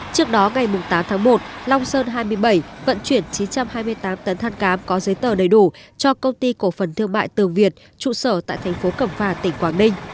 trước đó ngày tám tháng một long sơn hai mươi bảy vận chuyển chín trăm hai mươi tám tấn than cám có giấy tờ đầy đủ cho công ty cổ phần thương mại tường việt trụ sở tại thành phố cẩm phà tỉnh quảng ninh